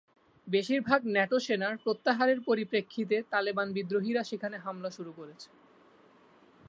বেশির ভাগ ন্যাটো সেনার প্রত্যাহারের পরিপ্রেক্ষিতে তালেবান বিদ্রোহীরা সেখানে হামলা শুরু করেছে।